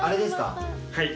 はい。